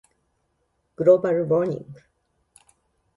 global warming